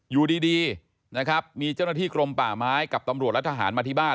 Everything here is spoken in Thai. อยู่ดีนะครับมีเจ้าหน้าที่กรมป่าไม้กับตำรวจและทหารมาที่บ้าน